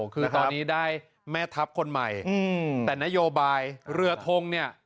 คือตอนนี้ได้แม่ทัพคนใหม่แต่นโยบายเรือทงเนี่ย